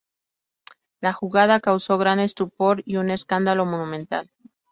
La jugada causó gran estupor y un escándalo monumental.